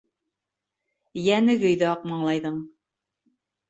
Йәне көйҙө Аҡмаңлайҙың.